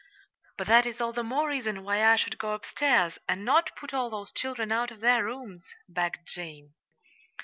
"But that is all the more reason why I should go upstairs, and not put all those children out of their rooms," begged Jane.